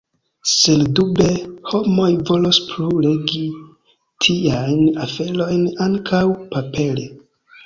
Sendube, homoj volos plu legi tiajn aferojn ankaŭ papere.